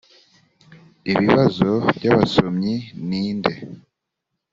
ibibazo by abasomyi ni nde